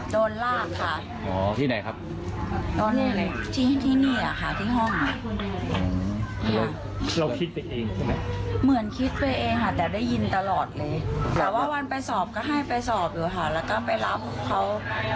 แต่ว่าวันไปสอบก็ให้ไปสอบอยู่ค่ะแล้วก็ไปรับเขา